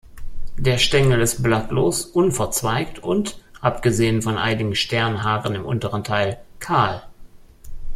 Der Stängel ist blattlos, unverzweigt und abgesehen von einigen Sternhaaren im unteren Teil kahl.